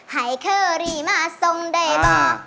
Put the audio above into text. ให้เคอรี่มาส่งได้บ้าง